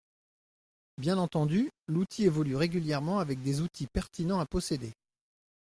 Bien entendu, l’outil évolue régulièrement avec des outils pertinents à posséder.